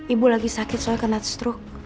ibu lagi sakit soal kena stroke